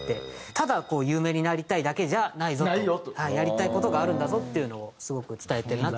ただ有名になりたいだけじゃないぞとやりたい事があるんだぞっていうのをすごく伝えてるなと。